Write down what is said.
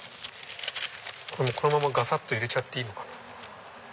このままがさっと入れちゃっていいのかな。